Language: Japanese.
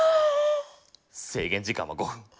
制限時間は５分。